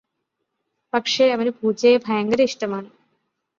പക്ഷെ അവന് പൂച്ചയെ ഭയങ്കര ഇഷ്ടമാണ്.